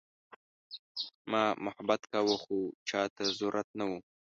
ما محبت کاوه خو چاته ضرورت نه وه.